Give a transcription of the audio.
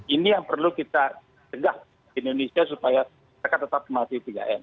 ini yang perlu kita cegah di indonesia supaya mereka tetap masih tiga m